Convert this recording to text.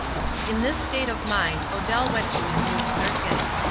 In this state of mind, Odell went to his new circuit.